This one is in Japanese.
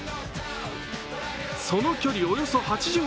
その距離およそ８０ｍ。